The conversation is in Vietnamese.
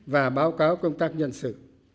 và báo cáo công tác nhân sự